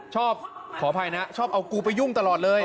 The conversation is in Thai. ขออภัยนะชอบเอากูไปยุ่งตลอดเลย